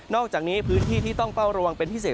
อกจากนี้พื้นที่ที่ต้องเฝ้าระวังเป็นพิเศษ